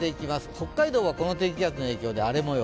北海道はこの低気圧の影響で荒れ模様。